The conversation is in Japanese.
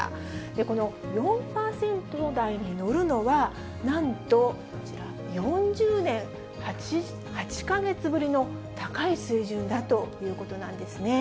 この４％台に乗るのは、なんとこちら、４０年８か月ぶりの高い水準だということなんですね。